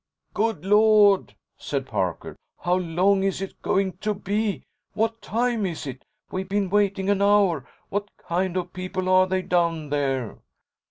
"Good Lord!" said Parker. "How long is it going to be? What time is it? We've been waiting an hour! What kind of people are they down there?"